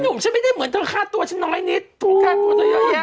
ฉันไม่ได้เหมือนเธอฆ่าตัวฉันน้อยนิดถูกฆ่าตัวเธอเยอะแยะ